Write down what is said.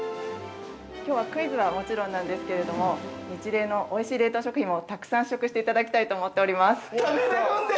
◆きょうは、クイズはもちろんなんですけれどもニチレイのおいしい冷凍食品もたくさん試食していただきたいと思っております。